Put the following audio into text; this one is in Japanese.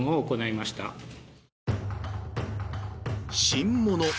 「新物！